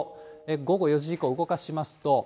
午後４時以降、動かしますと。